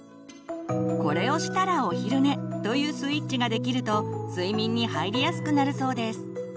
「これをしたらお昼寝」というスイッチができると睡眠に入りやすくなるそうです。